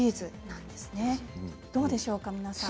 どうでしょうか、皆さん。